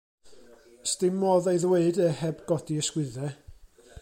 'S dim modd ei ddweud e heb godi ysgwyddau.